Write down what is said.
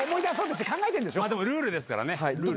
でもルールですから。